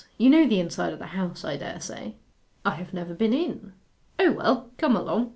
You know the inside of the house, I dare say?' 'I have never been in.' 'O well, come along.